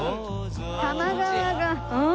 多摩川が。